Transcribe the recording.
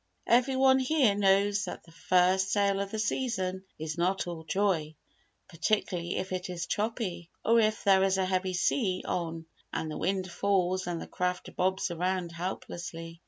"Every one here knows that the first sail of the season is not all joy particularly if it is choppy, or if there is a heavy sea on and the wind falls and the craft bobs around helplessly.